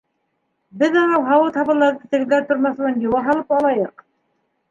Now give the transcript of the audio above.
Беҙ анау һауыт-һабаларҙы тегеләр тормаҫ борон йыуа һалып алайыҡ.